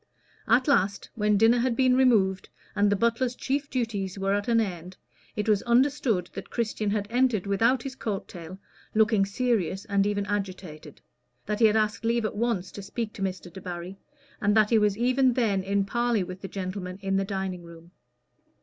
At last, when dinner had been removed, and the butler's chief duties were at an end, it was understood that Christian had entered without his coat tail, looking serious and even agitated; that he had asked leave at once to speak to Mr. Debarry, and that he was even then in parley with the gentleman in the dining room.